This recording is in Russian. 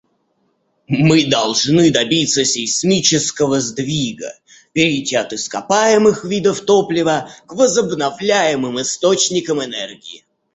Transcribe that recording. Мы должны добиться сейсмического сдвига — перейти от ископаемых видов топлива к возобновляемым источникам энергии.